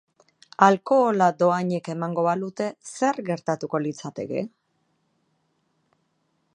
Alkohola dohainik emango balute, zer gertatuko litzateke?